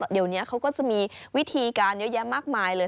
เดี๋ยวนี้เขาก็จะมีวิธีการเยอะแยะมากมายเลย